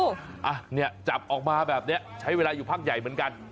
เจ้าตัวอขมาแบบนี้ใช้เวลาอยู่พักใหญ่เหมือนกัน